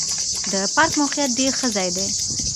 د پارک موقعیت ډېر ښه ځای دی.